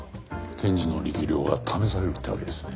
検事の力量が試されるってわけですね。